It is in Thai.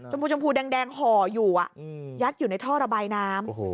จมูกจมูกแดงห่ออยู่อ่ะยักษ์อยู่ในท่อระบายน้ำ